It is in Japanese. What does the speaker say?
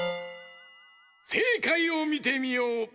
せいかいをみてみよう！